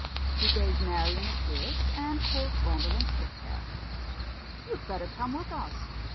He gave Marian a kiss and pulled Gwendolen's pigtail. "You'd better come with us.